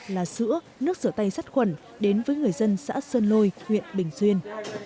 là sữa nước rửa tay sát khuẩn đến với người dân xã sơn lôi huyện bình xuyên